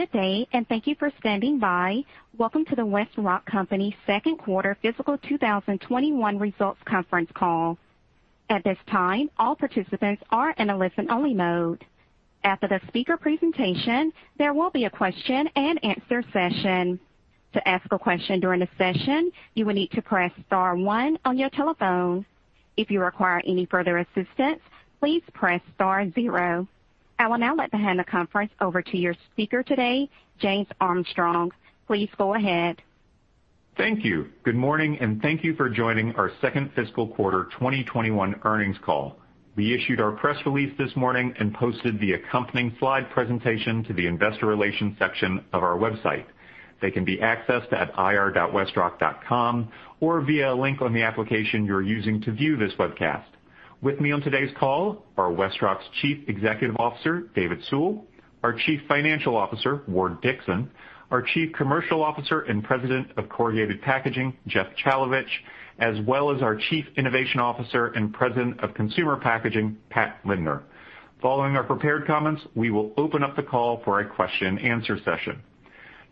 Good day, and thank you for standing by. Welcome to the WestRock Company second quarter fiscal 2021 results conference call. At this time, all participants are in a listen-only mode. After the speaker presentation, there will be a question and answer session. To ask a question during the session, you will need to press star 1 on your telephone. If you require any further assistance, please press star 0. I will now let the hand the conference over to your speaker today, James Armstrong. Please go ahead. Thank you. Good morning, and thank you for joining our second fiscal quarter 2021 earnings call. We issued our press release this morning and posted the accompanying slide presentation to the investor relations section of our website. They can be accessed at ir.westrock.com or via a link on the application you're using to view this webcast. With me on today's call are WestRock's Chief Executive Officer, David Sewell, our Chief Financial Officer, Ward Dickson, our Chief Commercial Officer and President of Corrugated Packaging, Jeff Chalovich, as well as our Chief Innovation Officer and President of Consumer Packaging, Pat Lindner. Following our prepared comments, we will open up the call for a question-and-answer session.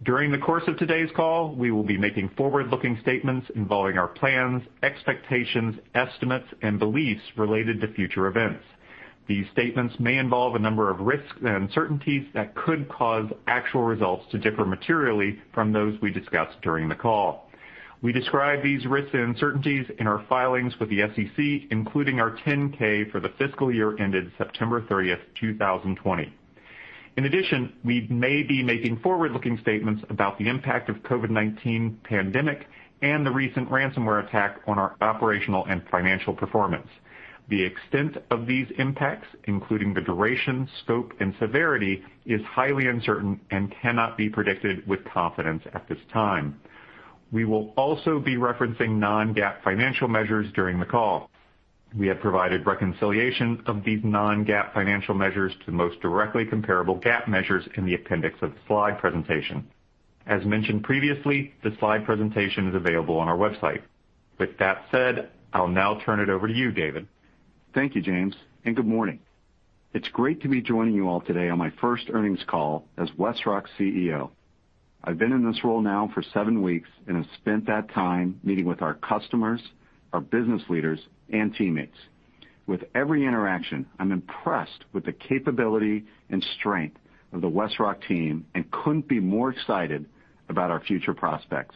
During the course of today's call, we will be making forward-looking statements involving our plans, expectations, estimates, and beliefs related to future events. These statements may involve a number of risks and uncertainties that could cause actual results to differ materially from those we discuss during the call. We describe these risks and uncertainties in our filings with the SEC, including our 10-K for the fiscal year ended September 30th, 2020. In addition, we may be making forward-looking statements about the impact of COVID-19 pandemic and the recent ransomware attack on our operational and financial performance. The extent of these impacts, including the duration, scope, and severity, is highly uncertain and cannot be predicted with confidence at this time. We will also be referencing non-GAAP financial measures during the call. We have provided reconciliation of these non-GAAP financial measures to the most directly comparable GAAP measures in the appendix of the slide presentation. As mentioned previously, the slide presentation is available on our website. With that said, I'll now turn it over to you, David. Thank you, James, good morning. It's great to be joining you all today on my first earnings call as WestRock's CEO. I've been in this role now for seven weeks and have spent that time meeting with our customers, our business leaders, and teammates. With every interaction, I'm impressed with the capability and strength of the WestRock team and couldn't be more excited about our future prospects.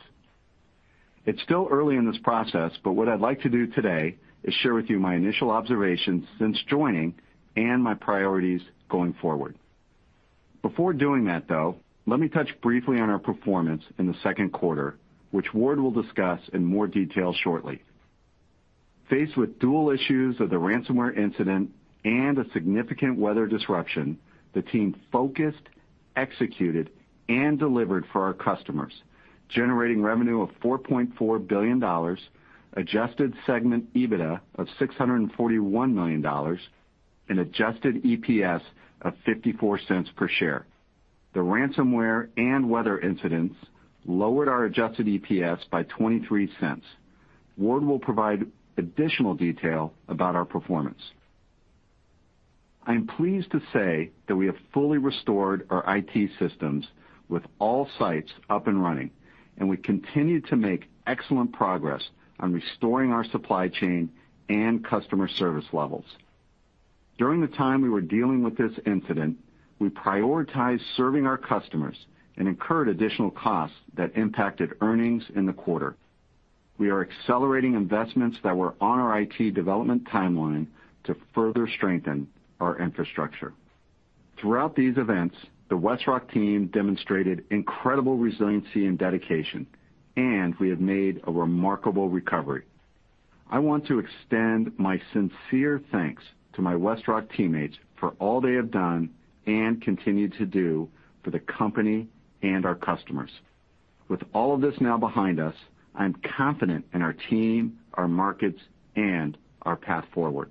It's still early in this process, what I'd like to do today is share with you my initial observations since joining and my priorities going forward. Before doing that, though, let me touch briefly on our performance in the second quarter, which Ward Dickson will discuss in more detail shortly. Faced with dual issues of the ransomware incident and a significant weather disruption, the team focused, executed and delivered for our customers, generating revenue of $4.4 billion, adjusted segment EBITDA of $641 million, and Adjusted EPS of $0.54 per share. The ransomware and weather incidents lowered our Adjusted EPS by $0.23. Ward will provide additional detail about our performance. I am pleased to say that we have fully restored our IT systems with all sites up and running, and we continue to make excellent progress on restoring our supply chain and customer service levels. During the time we were dealing with this incident, we prioritized serving our customers and incurred additional costs that impacted earnings in the quarter. We are accelerating investments that were on our IT development timeline to further strengthen our infrastructure. Throughout these events, the WestRock team demonstrated incredible resiliency and dedication, and we have made a remarkable recovery. I want to extend my sincere thanks to my WestRock teammates for all they have done and continue to do for the company and our customers. With all of this now behind us, I'm confident in our team, our markets, and our path forward.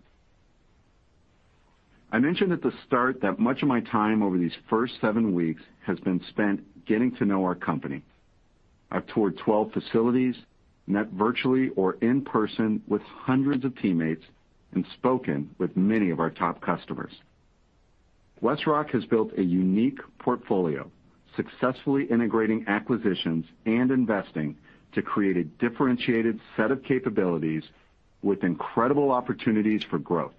I mentioned at the start that much of my time over these first seven weeks has been spent getting to know our company. I've toured 12 facilities, met virtually or in person with hundreds of teammates, and spoken with many of our top customers. WestRock has built a unique portfolio, successfully integrating acquisitions and investing to create a differentiated set of capabilities with incredible opportunities for growth.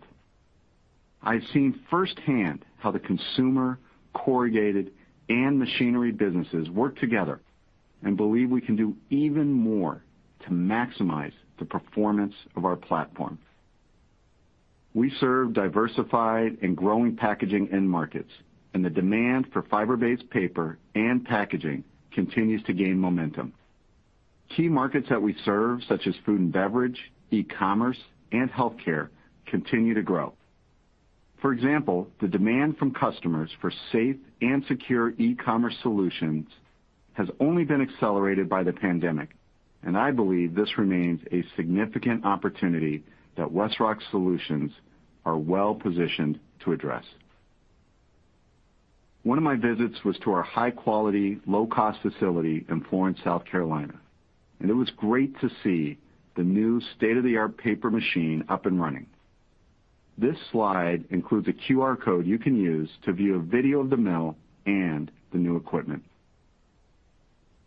I've seen firsthand how the consumer, corrugated, and machinery businesses work together and believe we can do even more to maximize the performance of our platform. We serve diversified and growing packaging end markets, the demand for fiber-based paper and packaging continues to gain momentum. Key markets that we serve, such as food and beverage, e-commerce, and healthcare, continue to grow. For example, the demand from customers for safe and secure e-commerce solutions has only been accelerated by the pandemic, I believe this remains a significant opportunity that WestRock solutions are well-positioned to address. One of my visits was to our high quality, low cost facility in Florence, South Carolina. It was great to see the new state-of-the-art paper machine up and running. This slide includes a QR code you can use to view a video of the mill and the new equipment.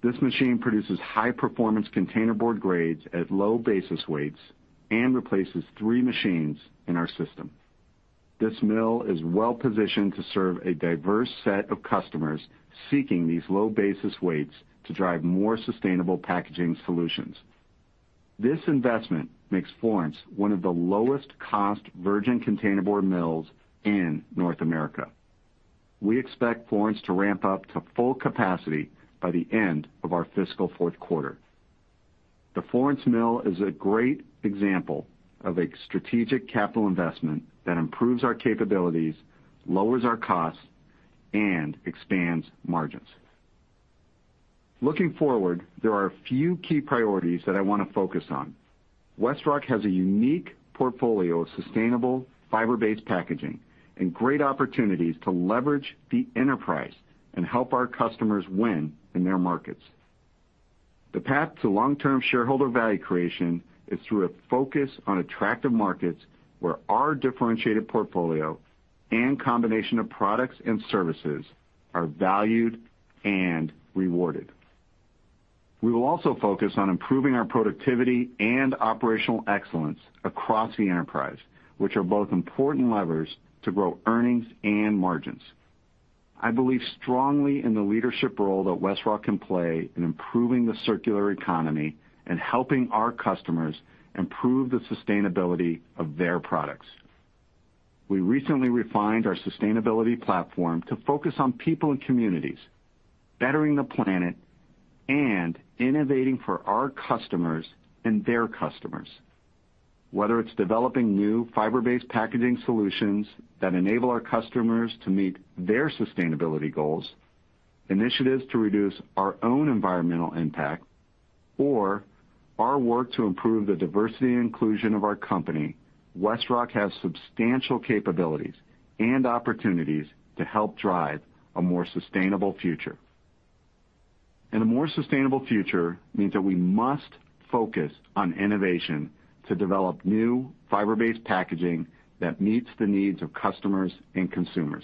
This machine produces high performance containerboard grades at low basis weights and replaces three machines in our system. This mill is well-positioned to serve a diverse set of customers seeking these low basis weights to drive more sustainable packaging solutions. This investment makes Florence one of the lowest cost virgin containerboard mills in North America. We expect Florence to ramp up to full capacity by the end of our fiscal fourth quarter. The Florence mill is a great example of a strategic capital investment that improves our capabilities, lowers our costs, and expands margins. Looking forward, there are a few key priorities that I want to focus on. WestRock has a unique portfolio of sustainable fiber-based packaging and great opportunities to leverage the enterprise and help our customers win in their markets. The path to long-term shareholder value creation is through a focus on attractive markets where our differentiated portfolio and combination of products and services are valued and rewarded. We will also focus on improving our productivity and operational excellence across the enterprise, which are both important levers to grow earnings and margins. I believe strongly in the leadership role that WestRock can play in improving the circular economy and helping our customers improve the sustainability of their products. We recently refined our sustainability platform to focus on people and communities, bettering the planet, and innovating for our customers and their customers. Whether it's developing new fiber-based packaging solutions that enable our customers to meet their sustainability goals, initiatives to reduce our own environmental impact, or our work to improve the diversity and inclusion of our company, WestRock has substantial capabilities and opportunities to help drive a more sustainable future. A more sustainable future means that we must focus on innovation to develop new fiber-based packaging that meets the needs of customers and consumers.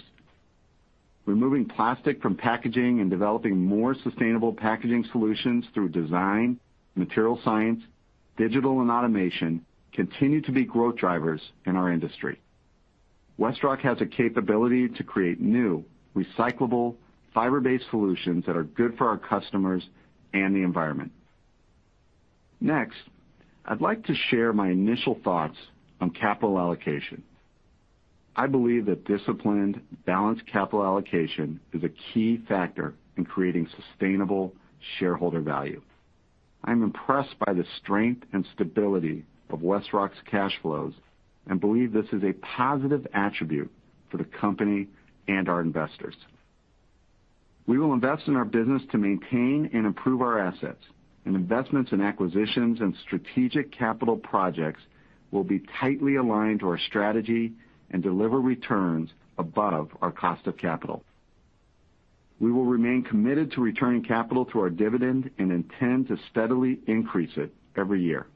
Removing plastic from packaging and developing more sustainable packaging solutions through design, material science, digital, and automation continue to be growth drivers in our industry. WestRock has a capability to create new, recyclable, fiber-based solutions that are good for our customers and the environment. Next, I'd like to share my initial thoughts on capital allocation. I believe that disciplined, balanced capital allocation is a key factor in creating sustainable shareholder value. I'm impressed by the strength and stability of WestRock's cash flows and believe this is a positive attribute for the company and our investors. We will invest in our business to maintain and improve our assets, investments in acquisitions and strategic capital projects will be tightly aligned to our strategy and deliver returns above our cost of capital. We will remain committed to returning capital through our dividend and intend to steadily increase it every year.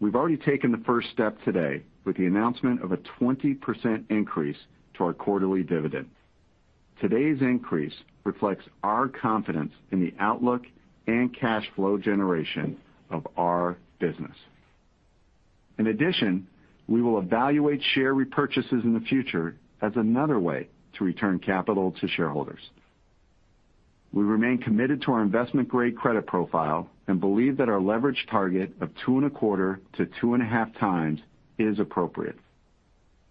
We've already taken the first step today with the announcement of a 20% increase to our quarterly dividend. Today's increase reflects our confidence in the outlook and cash flow generation of our business. In addition, we will evaluate share repurchases in the future as another way to return capital to shareholders. We remain committed to our investment-grade credit profile and believe that our leverage target of 2.25-2.5 times is appropriate.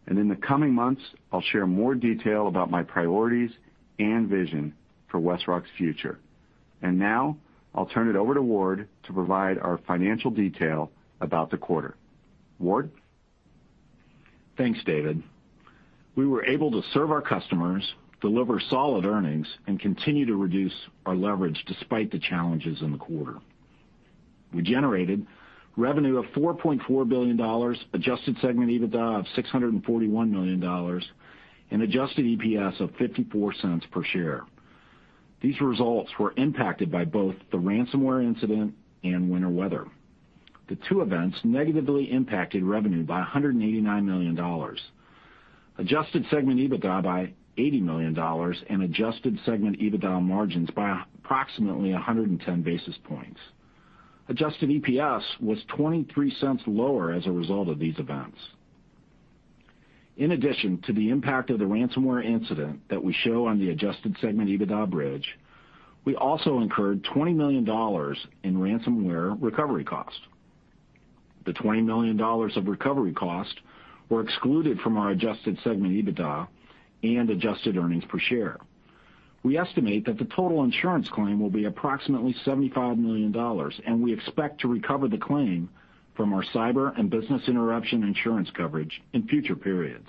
In the coming months, I'll share more detail about my priorities and vision for WestRock's future. Now I'll turn it over to Ward to provide our financial detail about the quarter. Ward? Thanks, David. We were able to serve our customers, deliver solid earnings, and continue to reduce our leverage despite the challenges in the quarter. We generated revenue of $4.4 billion, Adjusted segment EBITDA of $641 million, and Adjusted EPS of $0.54 per share. These results were impacted by both the ransomware incident and winter weather. The two events negatively impacted revenue by $189 million. Adjusted segment EBITDA by $80 million and Adjusted segment EBITDA margins by approximately 110 basis points. Adjusted EPS was $0.23 lower as a result of these events. In addition to the impact of the ransomware incident that we show on the Adjusted segment EBITDA bridge, we also incurred million in ransomware recovery cost. The $20 million of recovery cost were excluded from our Adjusted segment EBITDA and adjusted earnings per share. We estimate that the total insurance claim will be approximately $75 million, and we expect to recover the claim from our cyber and business interruption insurance coverage in future periods.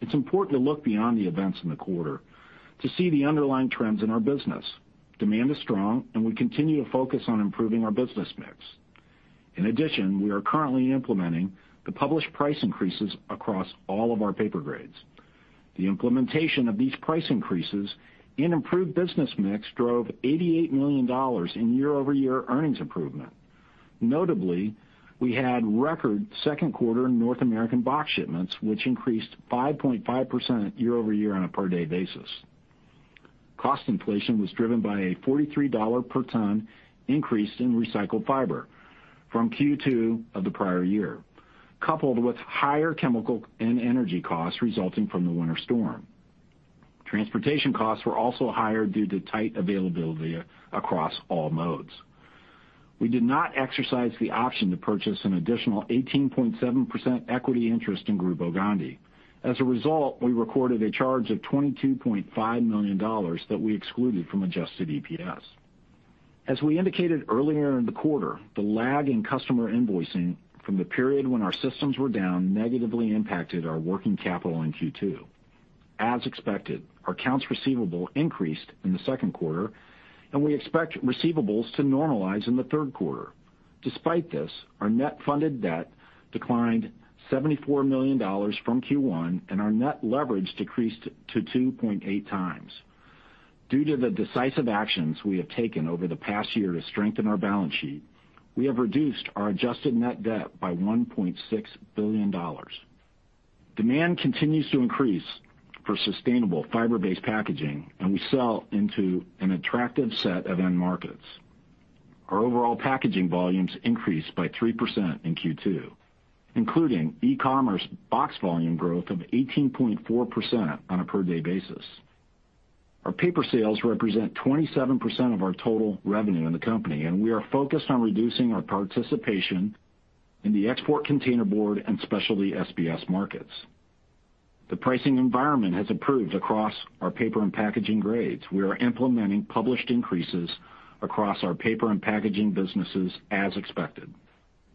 It's important to look beyond the events in the quarter to see the underlying trends in our business. Demand is strong, and we continue to focus on improving our business mix. In addition, we are currently implementing the published price increases across all of our paper grades. The implementation of these price increases in improved business mix drove $88 million in year-over-year earnings improvement. Notably, we had record second quarter North American box shipments, which increased 5.5% year-over-year on a per day basis. Cost inflation was driven by a $43 per ton increase in recycled fiber from Q2 of the prior year, coupled with higher chemical and energy costs resulting from the winter storm. Transportation costs were also higher due to tight availability across all modes. We did not exercise the option to purchase an additional 18.7% equity interest in Grupo Gondi. As a result, we recorded a charge of $22.5 million that we excluded from Adjusted EPS. As we indicated earlier in the quarter, the lag in customer invoicing from the period when our systems were down negatively impacted our working capital in Q2. As expected, our accounts receivable increased in the second quarter, and we expect receivables to normalize in the third quarter. Despite this, our net funded debt declined $74 million from Q1, and our net leverage decreased to 2.8 times. Due to the decisive actions we have taken over the past year to strengthen our balance sheet, we have reduced our adjusted net debt by $1.6 billion. Demand continues to increase for sustainable fiber-based packaging, and we sell into an attractive set of end markets. Our overall packaging volumes increased by 3% in Q2, including e-commerce box volume growth of 18.4% on a per day basis. Our paper sales represent 27% of our total revenue in the company, and we are focused on reducing our participation in the export containerboard and specialty SBS markets. The pricing environment has improved across our paper and packaging grades. We are implementing published increases across our paper and packaging businesses as expected.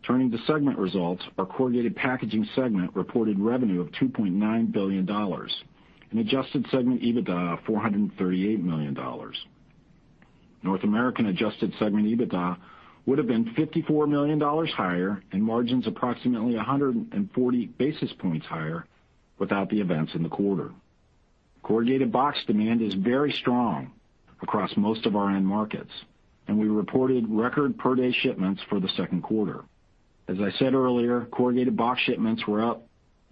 Turning to segment results, our Corrugated Packaging segment reported revenue of $2.9 billion and Adjusted segment EBITDA of $438 million. North American Adjusted segment EBITDA would've been $54 million higher and margins approximately 140 basis points higher without the events in the quarter. Corrugated box demand is very strong across most of our end markets, and we reported record per day shipments for the second quarter. As I said earlier, corrugated box shipments were up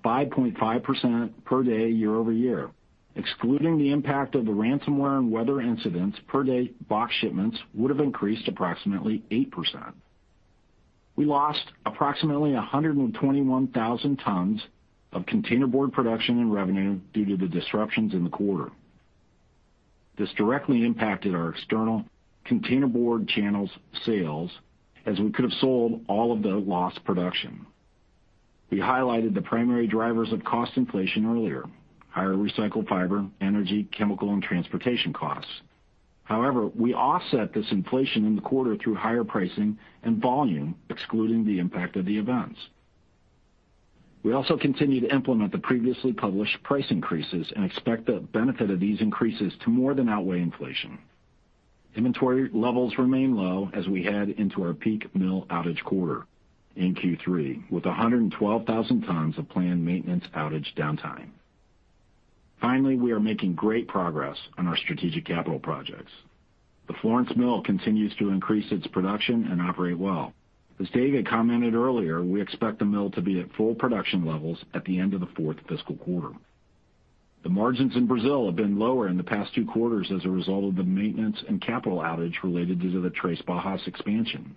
5.5% per day year-over-year. Excluding the impact of the ransomware and weather incidents, per day box shipments would've increased approximately 8%. We lost approximately 121,000 tons of containerboard production and revenue due to the disruptions in the quarter. This directly impacted our external containerboard channels sales as we could have sold all of the lost production. We highlighted the primary drivers of cost inflation earlier, higher recycled fiber, energy, chemical, and transportation costs. However, we offset this inflation in the quarter through higher pricing and volume, excluding the impact of the events. We also continue to implement the previously published price increases and expect the benefit of these increases to more than outweigh inflation. Inventory levels remain low as we head into our peak mill outage quarter in Q3 with 112,000 tons of planned maintenance outage downtime. We are making great progress on our strategic capital projects. The Florence Mill continues to increase its production and operate well. As David commented earlier, we expect the mill to be at full production levels at the end of the fourth fiscal quarter. The margins in Brazil have been lower in the past two quarters as a result of the maintenance and capital outage related to the Três Barras expansion.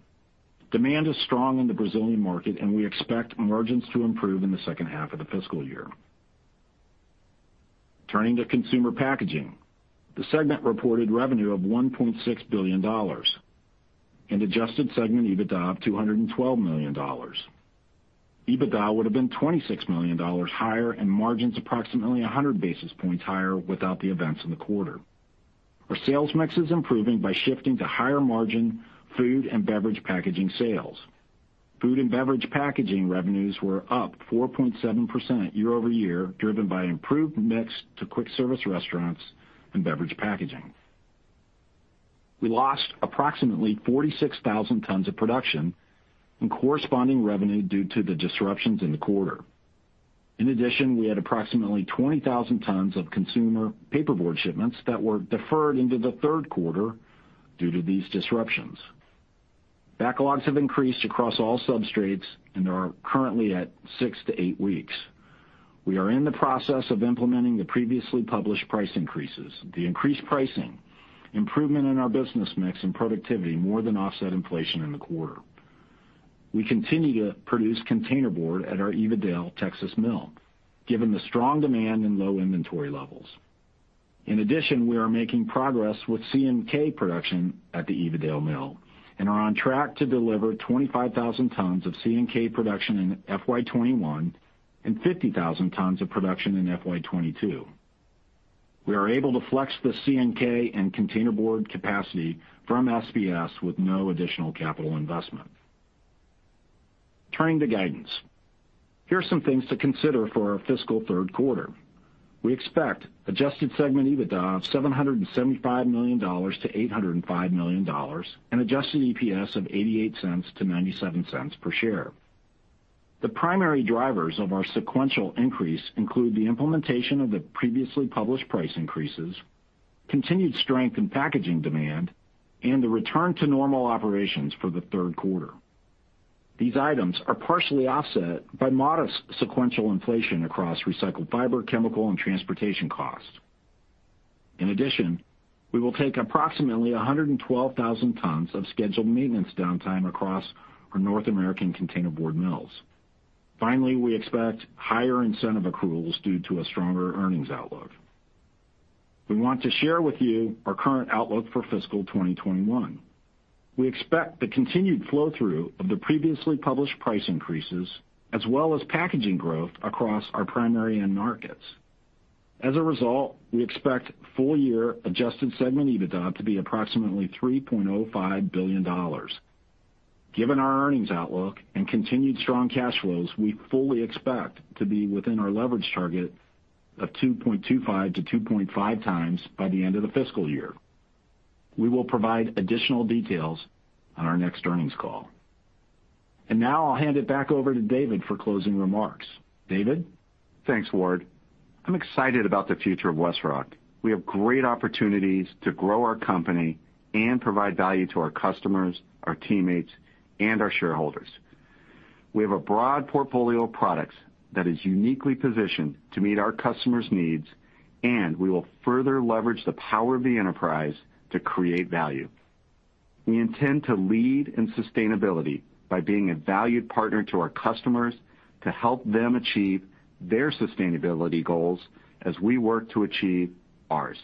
Demand is strong in the Brazilian market, and we expect margins to improve in the second half of the fiscal year. Turning to Consumer Packaging, the segment reported revenue of $1.6 billion and Adjusted segment EBITDA of $212 million. EBITDA would've been $26 million higher, and margins approximately 100 basis points higher without the events in the quarter. Our sales mix is improving by shifting to higher margin food and beverage packaging sales. Food and beverage packaging revenues were up 4.7% year-over-year, driven by improved mix to quick service restaurants and beverage packaging. We lost approximately 46,000 tons of production and corresponding revenue due to the disruptions in the quarter. In addition, we had approximately 20,000 tons of consumer paper board shipments that were deferred into the third quarter due to these disruptions. Backlogs have increased across all substrates and are currently at six to eight weeks. We are in the process of implementing the previously published price increases. The increased pricing, improvement in our business mix, and productivity more than offset inflation in the quarter. We continue to produce containerboard at our Evadale, Texas mill, given the strong demand and low inventory levels. In addition, we are making progress with CNK production at the Evadale mill and are on track to deliver 25,000 tons of CNK production in FY 2021 and 50,000 tons of production in FY 2022. We are able to flex the CNK and containerboard capacity from SBS with no additional capital investment. Turning to guidance. Here are some things to consider for our fiscal third quarter. We expect Adjusted segment EBITDA of $775 million-$805 million, and Adjusted EPS of $0.88-$0.97 per share. The primary drivers of our sequential increase include the implementation of the previously published price increases, continued strength in packaging demand, and the return to normal operations for the third quarter. These items are partially offset by modest sequential inflation across recycled fiber, chemical, and transportation costs. We will take approximately 112,000 tons of scheduled maintenance downtime across our North American containerboard mills. We expect higher incentive accruals due to a stronger earnings outlook. We want to share with you our current outlook for FY 2021. We expect the continued flow-through of the previously published price increases, as well as packaging growth across our primary end markets. We expect full-year Adjusted segment EBITDA to be approximately $3.05 billion. Given our earnings outlook and continued strong cash flows, we fully expect to be within our leverage target of 2.25 to 2.5 times by the end of the fiscal year. We will provide additional details on our next earnings call. Now I'll hand it back over to David for closing remarks. David? Thanks, Ward. I'm excited about the future of WestRock. We have great opportunities to grow our company and provide value to our customers, our teammates, and our shareholders. We have a broad portfolio of products that is uniquely positioned to meet our customers' needs. We will further leverage the power of the enterprise to create value. We intend to lead in sustainability by being a valued partner to our customers to help them achieve their sustainability goals as we work to achieve ours.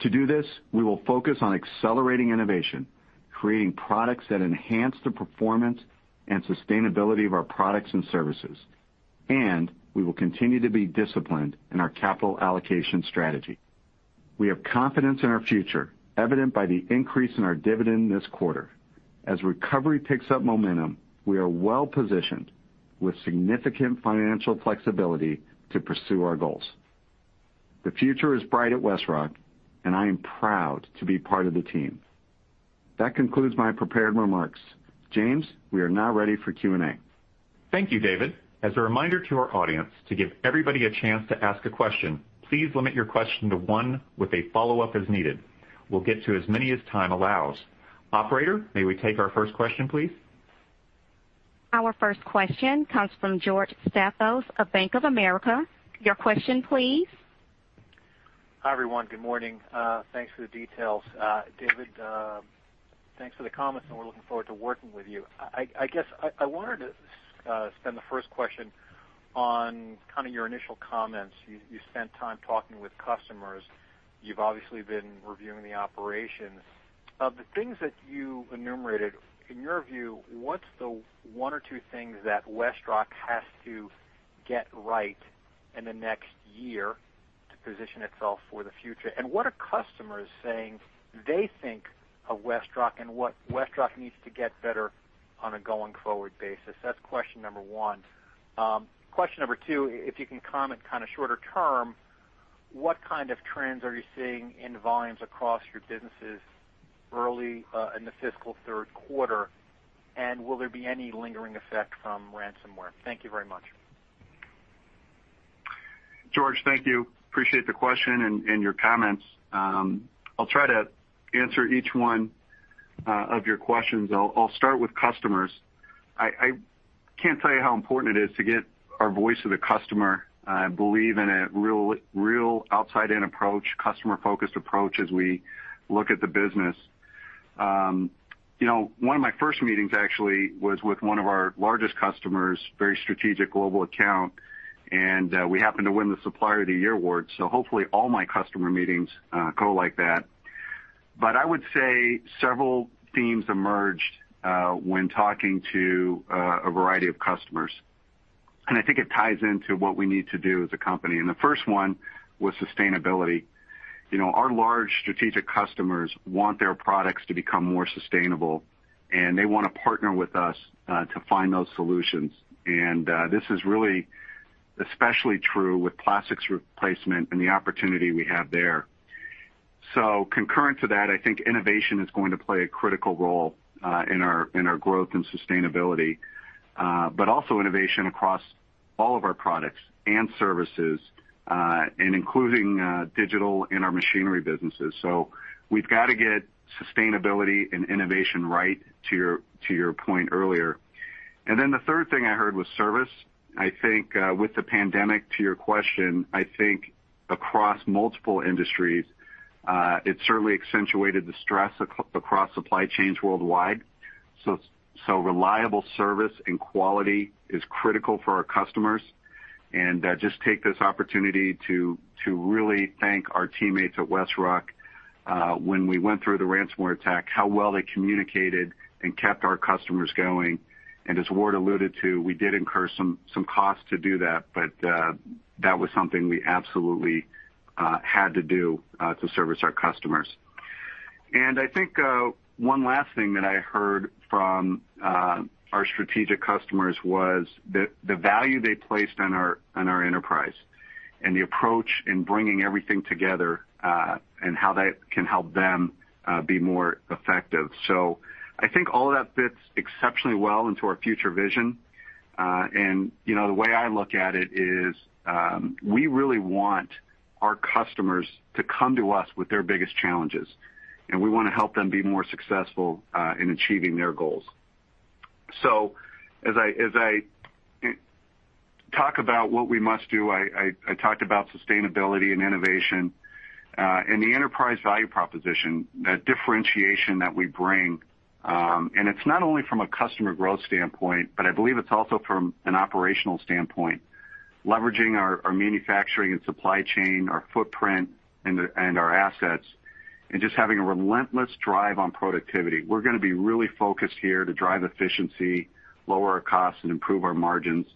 To do this, we will focus on accelerating innovation, creating products that enhance the performance and sustainability of our products and services. We will continue to be disciplined in our capital allocation strategy. We have confidence in our future, evident by the increase in our dividend this quarter. As recovery picks up momentum, we are well-positioned with significant financial flexibility to pursue our goals. The future is bright at WestRock, and I am proud to be part of the team. That concludes my prepared remarks. James, we are now ready for Q&A. Thank you, David. As a reminder to our audience, to give everybody a chance to ask a question, please limit your question to one with a follow-up as needed. We'll get to as many as time allows. Operator, may we take our first question, please? Our first question comes from George Staphos of Bank of America. Your question, please. Hi, everyone. Good morning. Thanks for the details. David, thanks for the comments, and we're looking forward to working with you. I guess I wanted to spend the first question on kind of your initial comments. You spent time talking with customers. You've obviously been reviewing the operations. Of the things that you enumerated, in your view, what's the one or two things that WestRock has to get right in the next year to position itself for the future? What are customers saying they think of WestRock, and what WestRock needs to get better on a going-forward basis? That's question number one. Question number two, if you can comment kind of shorter term, what kind of trends are you seeing in the volumes across your businesses early in the fiscal third quarter, and will there be any lingering effect from ransomware? Thank you very much. George, thank you. Appreciate the question and your comments. I'll try to answer each one of your questions. I'll start with customers. I can't tell you how important it is to get our voice of the customer. I believe in a real outside-in approach, customer-focused approach as we look at the business. One of my first meetings actually was with one of our largest customers, very strategic global account. We happened to win the Supplier of the Year award. Hopefully all my customer meetings go like that. I would say several themes emerged when talking to a variety of customers. I think it ties into what we need to do as a company. The first one was sustainability. Our large strategic customers want their products to become more sustainable. They want to partner with us to find those solutions. This is really especially true with plastics replacement and the opportunity we have there. Concurrent to that, I think innovation is going to play a critical role in our growth and sustainability, but also innovation across all of our products and services, and including digital in our machinery businesses. We've got to get sustainability and innovation right, to your point earlier. The third thing I heard was service. I think with the pandemic, to your question, I think across multiple industries, it certainly accentuated the stress across supply chains worldwide. Reliable service and quality is critical for our customers. Just take this opportunity to really thank our teammates at WestRock. When we went through the ransomware attack, how well they communicated and kept our customers going. As Ward alluded to, we did incur some cost to do that, but that was something we absolutely had to do to service our customers. I think one last thing that I heard from our strategic customers was the value they placed on our enterprise, and the approach in bringing everything together, and how that can help them be more effective. I think all of that fits exceptionally well into our future vision. The way I look at it is, we really want our customers to come to us with their biggest challenges, and we want to help them be more successful in achieving their goals. As I talk about what we must do, I talked about sustainability and innovation, and the enterprise value proposition, that differentiation that we bring. It's not only from a customer growth standpoint, but I believe it's also from an operational standpoint, leveraging our manufacturing and supply chain, our footprint, and our assets, and just having a relentless drive on productivity. We're going to be really focused here to drive efficiency, lower our costs, and improve our margins.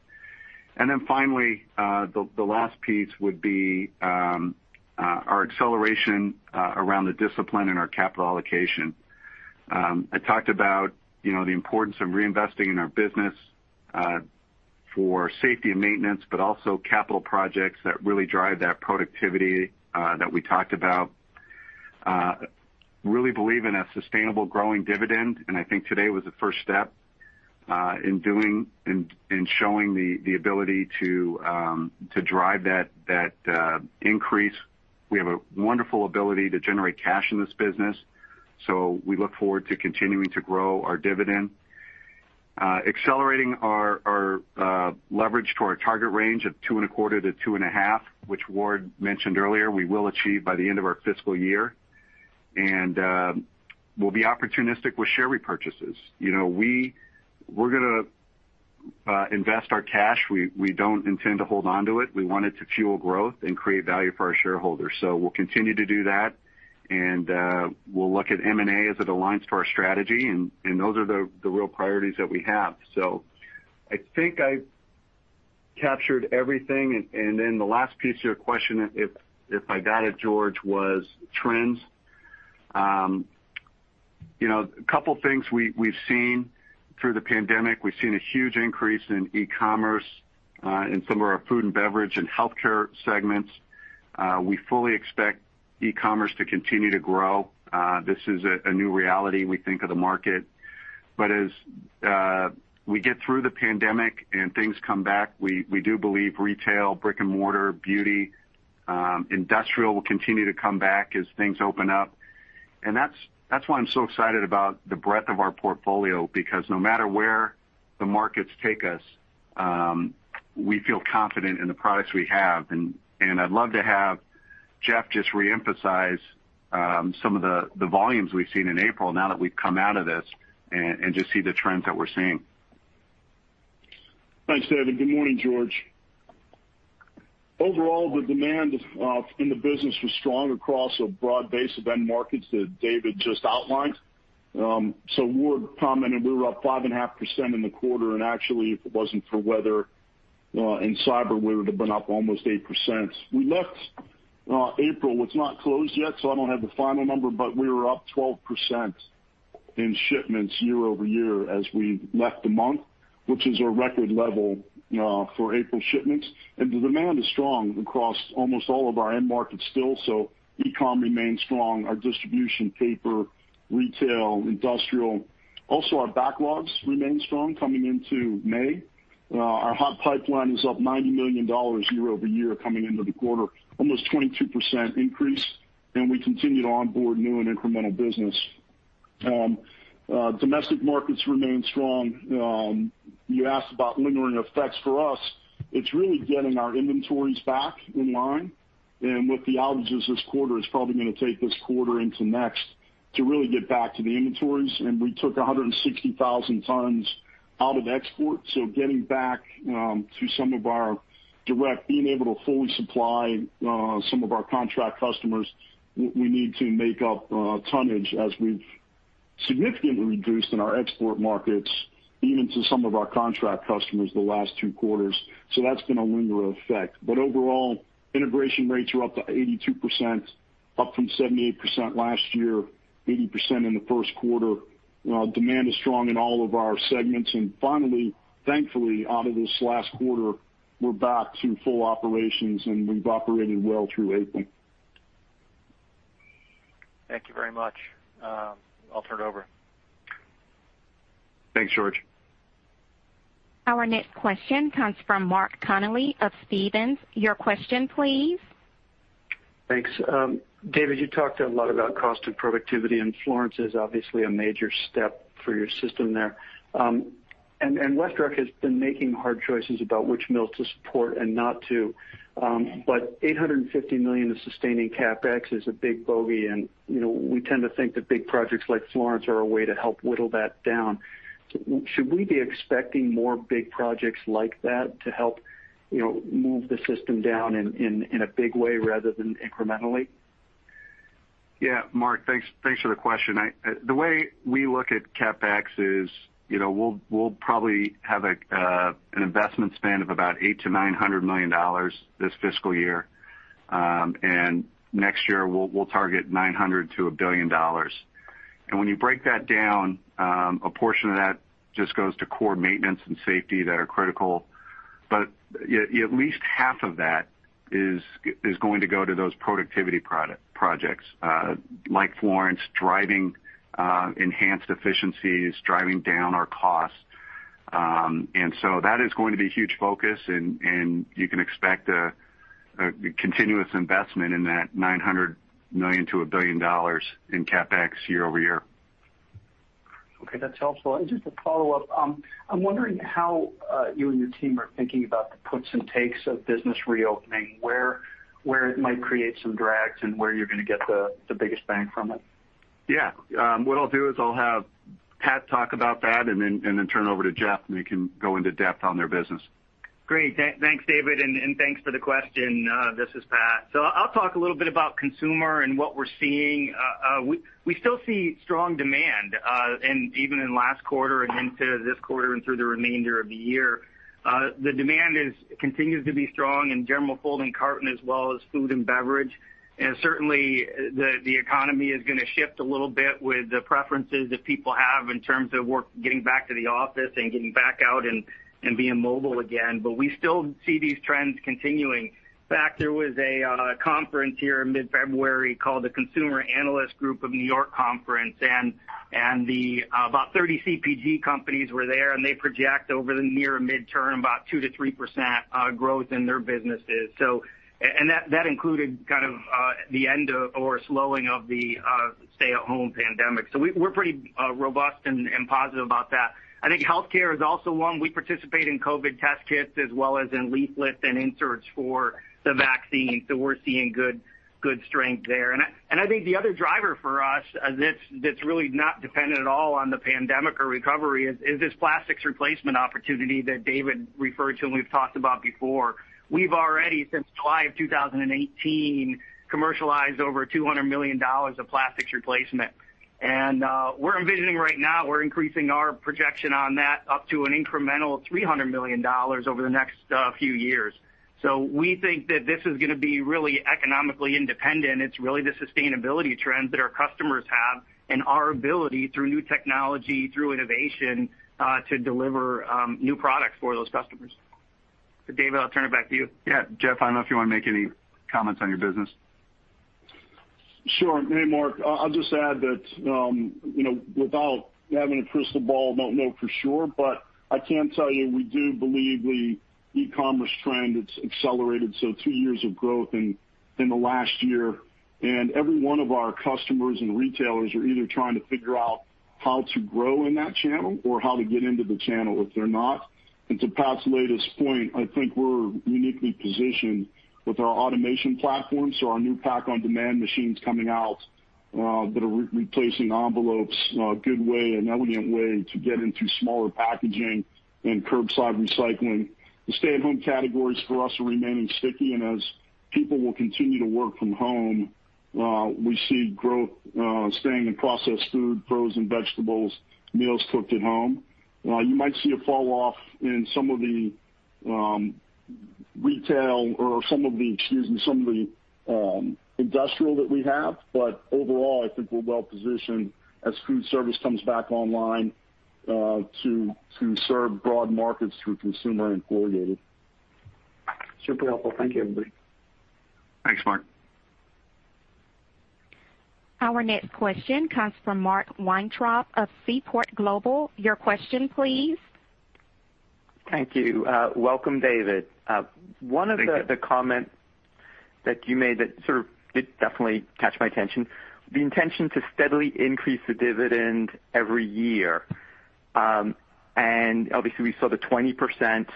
Finally, the last piece would be our acceleration around the discipline in our capital allocation. I talked about the importance of reinvesting in our business for safety and maintenance, but also capital projects that really drive that productivity that we talked about. Really believe in a sustainable growing dividend, and I think today was the first step in showing the ability to drive that increase. We have a wonderful ability to generate cash in this business. We look forward to continuing to grow our dividend. Accelerating our leverage to our target range of two and a quarter to two and a half, which Ward mentioned earlier, we will achieve by the end of our fiscal year. We'll be opportunistic with share repurchases. We're going to invest our cash. We don't intend to hold onto it. We want it to fuel growth and create value for our shareholders. We'll continue to do that, and we'll look at M&A as it aligns to our strategy, and those are the real priorities that we have. I think I captured everything. The last piece of your question, if I got it, George, was trends. A couple things we've seen through the pandemic. We've seen a huge increase in e-commerce in some of our food and beverage and healthcare segments. We fully expect e-commerce to continue to grow. This is a new reality we think of the market. As we get through the pandemic and things come back, we do believe retail, brick and mortar, beauty, industrial will continue to come back as things open up. That's why I'm so excited about the breadth of our portfolio because no matter where the markets take us, we feel confident in the products we have. I'd love to have Jeff just reemphasize some of the volumes we've seen in April now that we've come out of this and just see the trends that we're seeing. Thanks, David. Good morning, George. Overall, the demand in the business was strong across a broad base of end markets that David just outlined. Ward commented we were up 5.5% in the quarter, and actually, if it wasn't for weather and cyber, we would've been up almost 8%. We left April. It's not closed yet, so I don't have the final number, but we were up 12% in shipments year-over-year as we left the month, which is a record level for April shipments. The demand is strong across almost all of our end markets still. E-com remains strong, our distribution, paper, retail, industrial. Also, our backlogs remain strong coming into May. Our hot pipeline is up $90 million year-over-year coming into the quarter, almost 22% increase, and we continued to onboard new and incremental business. Domestic markets remain strong. You asked about lingering effects. For us, it's really getting our inventories back in line. With the outages this quarter, it's probably going to take this quarter into next to really get back to the inventories. We took 160,000 tons out of export. Getting back to some of our direct, being able to fully supply some of our contract customers, we need to make up tonnage as we've significantly reduced in our export markets, even to some of our contract customers the last two quarters. That's been a lingering effect. Overall, integration rates are up to 82%, up from 78% last year, 80% in the first quarter. Demand is strong in all of our segments. Finally, thankfully, out of this last quarter, we're back to full operations and we've operated well through April. Thank you very much. I'll turn it over. Thanks, George. Our next question comes from Mark Connelly of Stephens. Your question, please. Thanks. David, you talked a lot about cost and productivity. Florence is obviously a major step for your system there. WestRock has been making hard choices about which mills to support and not to. $850 million of sustaining CapEx is a big bogey. We tend to think that big projects like Florence are a way to help whittle that down. Should we be expecting more big projects like that to help move the system down in a big way rather than incrementally? Yeah. Mark, thanks for the question. The way we look at CapEx is we'll probably have an investment spend of about $800 million-$900 million this fiscal year. Next year, we'll target $900 million-$1 billion. When you break that down, a portion of that just goes to core maintenance and safety that are critical. At least half of that is going to go to those productivity projects like Florence, driving enhanced efficiencies, driving down our costs. That is going to be a huge focus, and you can expect a continuous investment in that $900 million-$1 billion in CapEx year-over-year. Okay, that's helpful. Just a follow-up. I'm wondering how you and your team are thinking about the puts and takes of business reopening, where it might create some drags, and where you're going to get the biggest bang from it. Yeah. What I'll do is I'll have Pat talk about that and then turn it over to Jeff, and they can go into depth on their business. Great. Thanks, David, and thanks for the question. This is Pat. I'll talk a little bit about consumer and what we're seeing. We still see strong demand, and even in last quarter and into this quarter and through the remainder of the year. The demand continues to be strong in general folding carton as well as food and beverage. Certainly, the economy is going to shift a little bit with the preferences that people have in terms of work, getting back to the office and getting back out and being mobile again. We still see these trends continuing. In fact, there was a conference here in mid-February called the Consumer Analyst Group of New York Conference, and about 30 CPG companies were there, and they project over the near midterm about 2%-3% growth in their businesses. That included kind of the end of or slowing of the stay-at-home pandemic. We're pretty robust and positive about that. I think healthcare is also one. We participate in COVID-19 test kits as well as in leaflets and inserts for the vaccine. We're seeing good strength there. I think the other driver for us that's really not dependent at all on the pandemic or recovery is this plastics replacement opportunity that David referred to and we've talked about before. We've already, since July of 2018, commercialized over $200 million of plastics replacement. We're envisioning right now, we're increasing our projection on that up to an incremental $300 million over the next few years. We think that this is going to be really economically independent. It's really the sustainability trends that our customers have and our ability through new technology, through innovation, to deliver new products for those customers. David, I'll turn it back to you. Yeah. Jeff, I don't know if you want to make any comments on your business. Sure. Hey, Mark. I'll just add that without having a crystal ball, don't know for sure, but I can tell you we do believe the e-commerce trend, it's accelerated, so two years of growth in the last year. Every one of our customers and retailers are either trying to figure out how to grow in that channel or how to get into the channel if they're not. To Pat's latest point, I think we're uniquely positioned with our automation platform, so our new Pak On Demand machines coming out that are replacing envelopes, a good way, an elegant way to get into smaller packaging and curbside recycling. The stay-at-home categories for us are remaining sticky, and as people will continue to work from home, we see growth staying in processed food, frozen vegetables, meals cooked at home. You might see a fall off in some of the retail or excuse me, some of the industrial that we have. Overall, I think we're well positioned as food service comes back online to serve broad markets through Consumer and Corrugated. Super helpful. Thank you, everybody. Thanks, Mark. Our next question comes from Mark Weintraub of Seaport Global. Your question, please. Thank you. Welcome, David. Thank you. One of the comments that you made that sort of did definitely catch my attention, the intention to steadily increase the dividend every year. Obviously, we saw the 20%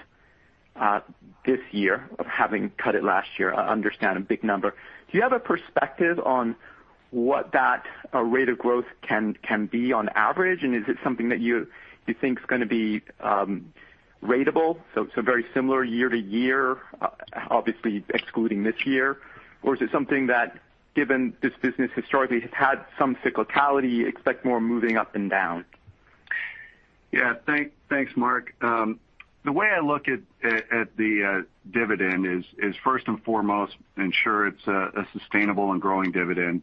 this year of having cut it last year. I understand, a big number. Do you have a perspective on what that rate of growth can be on average? Is it something that you think is going to be ratable, so very similar year to year, obviously excluding this year? Is it something that, given this business historically has had some cyclicality, you expect more moving up and down? Yeah. Thanks, Mark. The way I look at the dividend is first and foremost ensure it's a sustainable and growing dividend.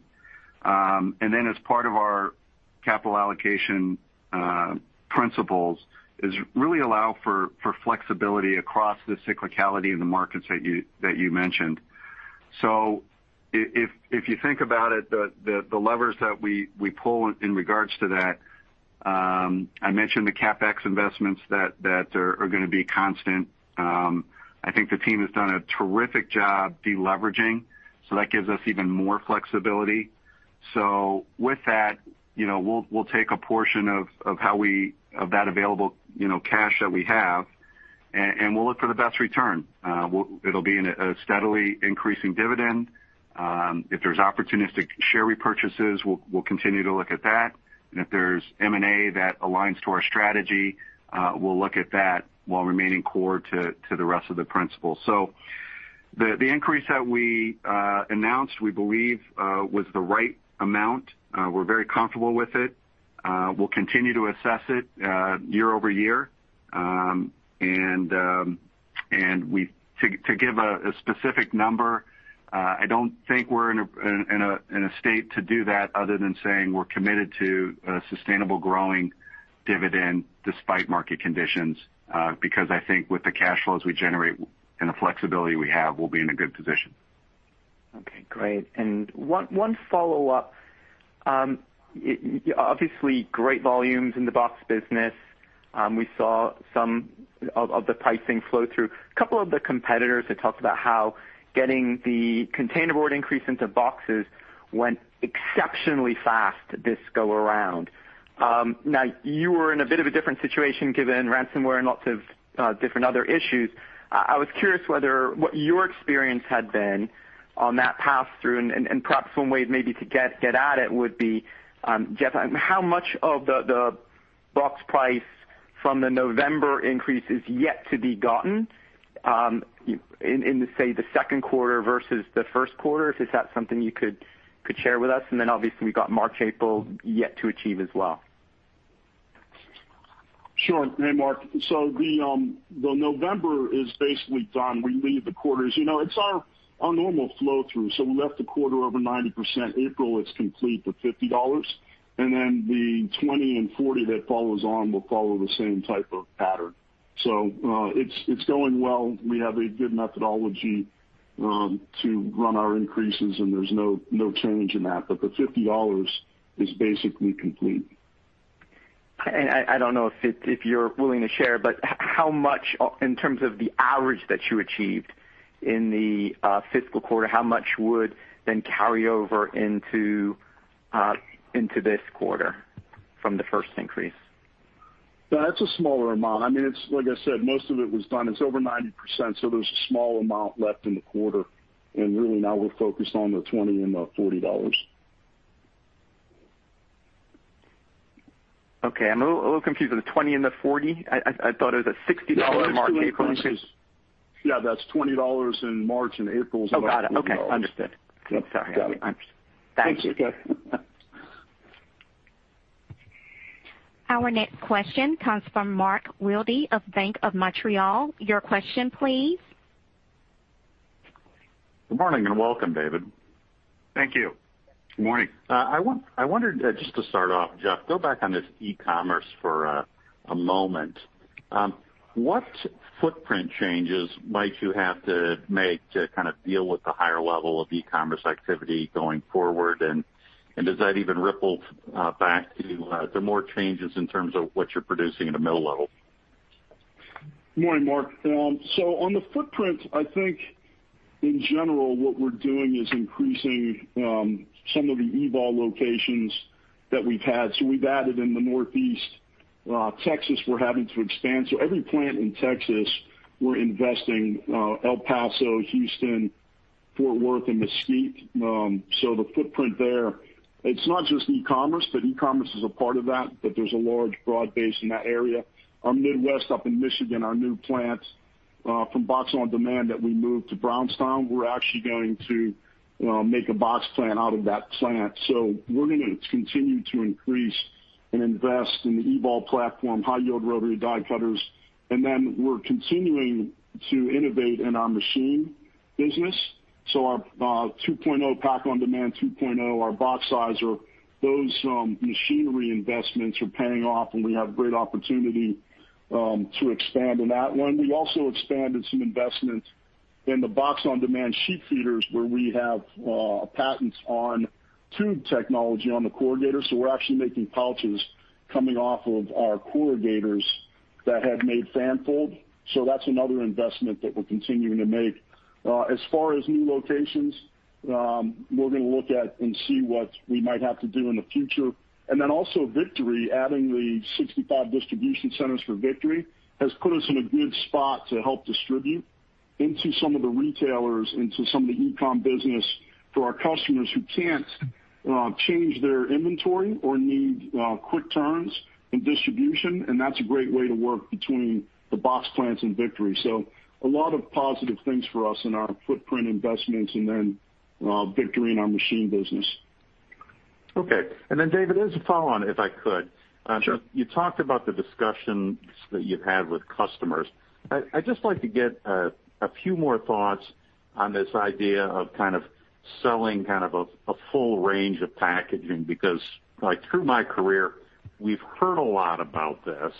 As part of our capital allocation principles is really allow for flexibility across the cyclicality of the markets that you mentioned. If you think about it, the levers that we pull in regards to that, I mentioned the CapEx investments that are going to be constant. I think the team has done a terrific job de-leveraging. That gives us even more flexibility. With that, we'll take a portion of that available cash that we have, and we'll look for the best return. It'll be a steadily increasing dividend. If there's opportunistic share repurchases, we'll continue to look at that. If there's M&A that aligns to our strategy, we'll look at that while remaining core to the rest of the principles. The increase that we announced, we believe was the right amount. We're very comfortable with it. We'll continue to assess it year-over-year. To give a specific number, I don't think we're in a state to do that other than saying we're committed to a sustainable growing dividend despite market conditions, because I think with the cash flows we generate and the flexibility we have, we'll be in a good position. Okay, great. One follow-up. Obviously, great volumes in the box business. We saw some of the pricing flow through. A couple of the competitors had talked about how getting the containerboard increase into boxes went exceptionally fast this go around. You were in a bit of a different situation given ransomware and lots of different other issues. I was curious whether what your experience had been on that pass-through, and perhaps one way maybe to get at it would be, Jeff, how much of the box price from the November increase is yet to be gotten in, say, the second quarter versus the first quarter? If that's something you could share with us, and then obviously we got March, April yet to achieve as well. Sure. Hey, Mark. The November is basically done. We leave the quarters. It's our normal flow through. We left the quarter over 90%. April is complete, the $50. The $20 and $40 that follows on will follow the same type of pattern. It's going well. We have a good methodology to run our increases, and there's no change in that. The $50 is basically complete. I don't know if you're willing to share, how much, in terms of the average that you achieved in the fiscal quarter, how much would then carry over into this quarter from the first increase? That's a smaller amount. Like I said, most of it was done. It's over 90%, so there's a small amount left in the quarter. Really now we're focused on the $20 and the $40. Okay. I'm a little confused. The $20 and the $40? I thought it was a $60 March, April increase. Yeah, that's $20 in March and April. Oh, got it. Okay. Understood. Yep. Got it. Sorry. Thank you. Thank you, Mark. Our next question comes from Mark Wilde of Bank of Montreal. Your question, please. Good morning, and welcome, David. Thank you. Good morning. I wondered, just to start off, Jeff, go back on this e-commerce for a moment. What footprint changes might you have to make to kind of deal with the higher level of e-commerce activity going forward? Does that even ripple back to more changes in terms of what you're producing in the mill level? Good morning, Mark. On the footprint, I think in general, what we're doing is increasing some of the EVOL locations that we've had. We've added in the Northeast. Texas, we're having to expand. Every plant in Texas, we're investing El Paso, Houston, Fort Worth, and Mesquite. The footprint there, it's not just e-commerce, but e-commerce is a part of that, but there's a large broad base in that area. Our Midwest up in Michigan, our new plant from Box On Demand that we moved to Brownstown, we're actually going to make a box plant out of that plant. We're going to continue to increase and invest in the EVOL platform, high-yield rotary die cutters. We're continuing to innovate in our machine business. Our Pak On Demand 2.0, our BoxSizer, those machinery investments are paying off, and we have great opportunity to expand on that one. We also expanded some investments in the Box On Demand sheet feeders, where we have patents on tube technology on the corrugator. We're actually making pouches coming off of our corrugators that have made fanfold. That's another investment that we're continuing to make. As far as new locations, we're going to look at and see what we might have to do in the future. Also Victory, adding the 65 distribution centers for Victory has put us in a good spot to help distribute into some of the retailers, into some of the e-com business for our customers who can't change their inventory or need quick turns in distribution. That's a great way to work between the box plants and Victory. A lot of positive things for us in our footprint investments and then Victory in our machine business. Okay. David, as a follow-on, if I could. Sure. You talked about the discussions that you've had with customers. I just like to get a few more thoughts on this idea of kind of selling kind of a full range of packaging. Through my career, we've heard a lot about this.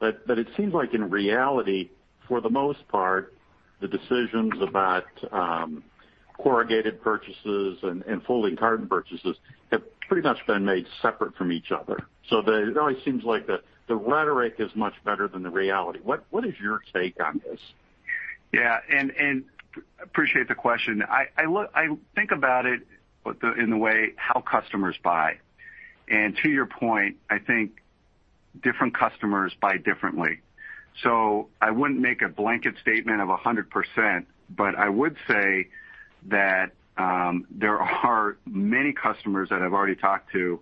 It seems like in reality, for the most part, the decisions about corrugated purchases and folding carton purchases have pretty much been made separate from each other. It always seems like the rhetoric is much better than the reality. What is your take on this? Yeah. Appreciate the question. I think about it in the way how customers buy. To your point, I think different customers buy differently. I wouldn't make a blanket statement of 100%, but I would say that there are many customers that I've already talked to